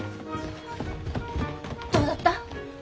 どうだった？